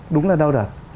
đúng là đau đầu